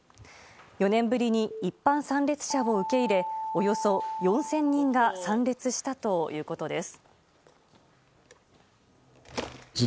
４年ぶりに一般参列者を受け入れおよそ４０００人が参列したということです。